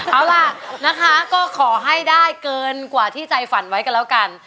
เอาล่ะนะคะก็ขอให้ได้เกินกว่าที่ใจฝันไว้กันแล้วกัน